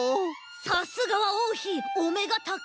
さすがはおうひおめがたかい！